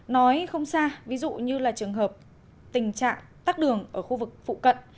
nói không xa ví dụ như là trường hợp tình trạng tắt đường ở khu vực phụ cận